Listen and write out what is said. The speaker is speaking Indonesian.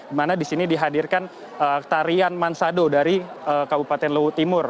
di mana di sini dihadirkan tarian mansado dari kabupaten luwu timur